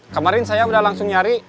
kemarin saya sudah langsung nyari